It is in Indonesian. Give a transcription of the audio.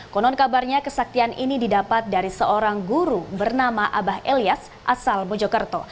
konon kabarnya kesaktian ini didapat dari seorang guru bernama abah elias asal mojokerto